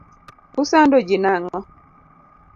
Usando ji nang'o?